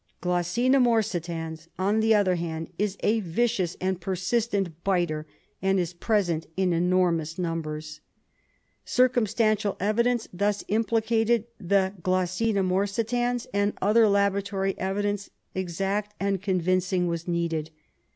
G. morsitans, on the other hand, is a vicious and persistent biter, and is present in enormous nambers. Circumstantial evidence thus implicated the G. morsitans, and only laboratory evidence, exact and convincing, was needed.